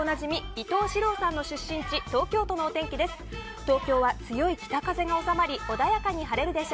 伊東四朗さんの出身地東京都のお天気です。